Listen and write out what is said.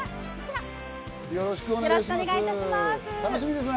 よろしくお願いします！